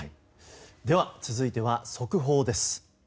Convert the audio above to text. では、続いては速報です。